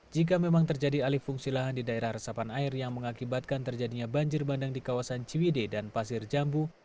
jika memang terjadi alih fungsi lahan di daerah resapan air yang mengakibatkan terjadinya banjir bandang di kawasan ciwide dan pasir jambu